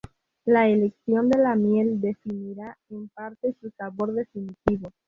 La elección de la miel definirá en parte su sabor definitivo.